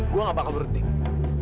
gue gak bakal berhenti di mobil